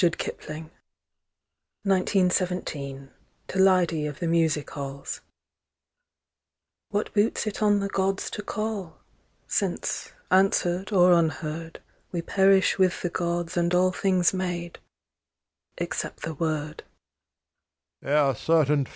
A Recantation 1917(To Lyde of the Music Halls)WHAT boots it on the Gods to call? Since, answered or unheard, We perish with the Gods and allThings made—except the Word.